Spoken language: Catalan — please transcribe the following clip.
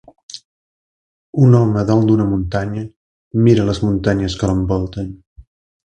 Un home dalt d'una muntanya mira les muntanyes que l'envolten.